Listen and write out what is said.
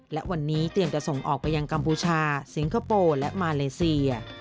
และวันนี้เตรียมจะส่งออกไปยังกัมพูชาสิงคโปร์และมาเลเซีย